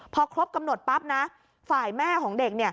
พอครบกำหนดปั๊บนะฝ่ายแม่ของเด็ก